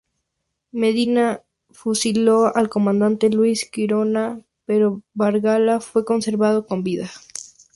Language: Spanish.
Medina fusiló al comandante Luis Quiroga pero Barcala fue conservado con vida.